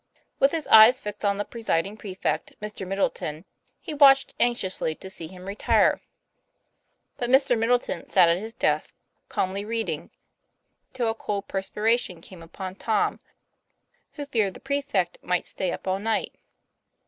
With his eyes fixed on the presiding prefect, Mr. Middleton, he watched anxiously to see him retire. But Mr. Middleton sat at his desk, calmly reading, till a cold perspiration came upon Tom, who feared the prefect might stay up all night.